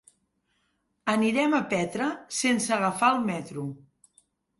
Anirem a Petra sense agafar el metro.